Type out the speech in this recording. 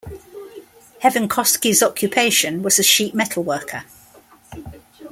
Hevonkoski's occupation was a sheet-metal worker.